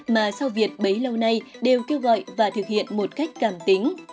mà sao việt bấy lâu nay đều kêu gọi và thực hiện một cách cảm tính